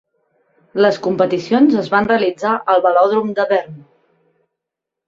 Les competicions es van realitzar al Velòdrom de Brno.